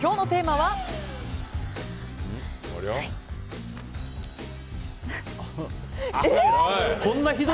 はい。